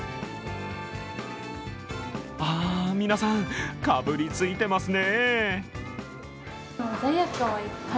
あ、皆さん、かぶりついていますね。